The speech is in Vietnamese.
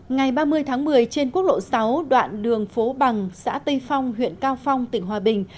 ngày ba mươi tháng một mươi trên quốc lộ sáu đoạn đường phố bằng xã tây phong huyện cao phong tỉnh hòa bình